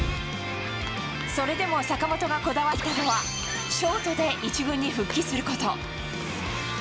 それでも坂本がこだわったのは、ショートで１軍に復帰すること。